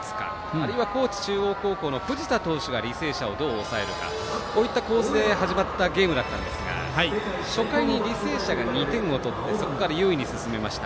あるいは高知中央の藤田投手が履正社をどう抑えるかこういった構図で始まったゲームだったんですが初回に履正社が２点を取ってそこから優位に進めました。